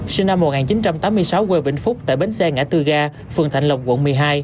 sinh năm một nghìn chín trăm tám mươi sáu quê vĩnh phúc tại bến xe ngã tư ga phường thạnh lộc quận một mươi hai